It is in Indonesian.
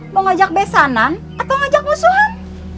mau ngajak besanan atau ngajak musuhan